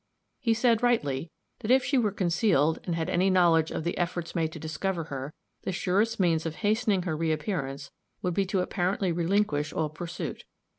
He said rightly, that if she were concealed and had any knowledge of the efforts made to discover her, the surest means of hastening her reäppearance would be to apparently relinquish all pursuit.